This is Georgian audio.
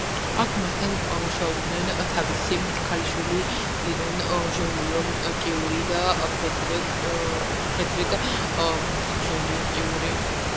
აქ მასთან მუშაობდნენ თავისი ქალიშვილი ირენ ჟოლიო-კიური და ფრედერიკ ჟოლიო-კიური.